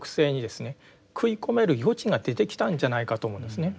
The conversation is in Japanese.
食い込める余地が出てきたんじゃないかと思うんですね。